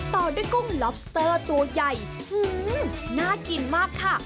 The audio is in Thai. ต่อด้วยกุ้งล็อบสเตอร์ตัวใหญ่น่ากินมากค่ะ